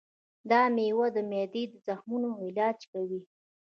دا مېوه د معدې د زخمونو علاج کوي.